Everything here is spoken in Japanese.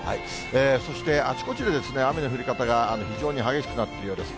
そして、あちこちで雨の降り方が非常に激しくなっているようです。